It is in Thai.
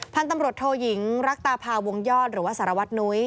พันธุ์ตำรวจโทยิงรักตาพาวงยอดหรือว่าสารวัตนุ้ย